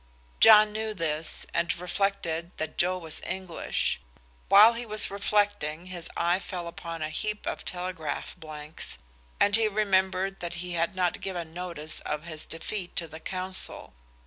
John knew this, and reflected that Joe was English. While he was reflecting his eye fell upon a heap of telegraph blanks, and he remembered that he had not given notice of his defeat to the council.